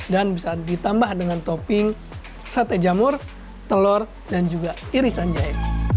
dan bisa ditambah dengan topping sate jamur telur dan juga irisan jahe